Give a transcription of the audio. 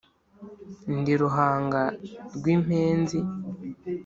ndi ruhanga rw’impenzi